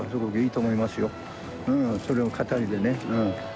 それを語りでね。